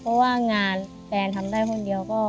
เพราะว่างานแฟนทำได้คนเดียวก็